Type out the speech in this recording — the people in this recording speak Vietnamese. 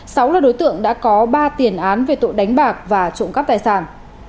sáu là đối tượng đã có ba tiền án về tội đánh bạc và trộm cắp tài sản